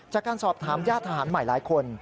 จากการสอบถามญาติทหารใหม่หลายคน